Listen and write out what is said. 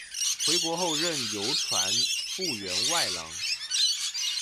回国后任邮传部员外郎。